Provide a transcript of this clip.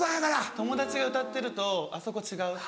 友達が歌ってると「あっそこ違う」って。